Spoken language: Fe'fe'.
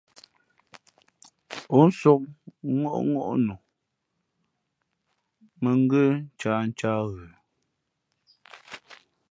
Ǒ nsōk ŋôʼŋó nu, mᾱ ngə́ ncahncǎh ghə̌.